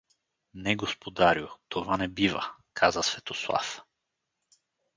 — Не, господарю, това не бива — каза Светослав.